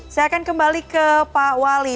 saya akan kembali ke pak wali